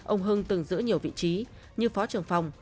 ông hưng từng giữ nhiều vị trí như phó trưởng phòng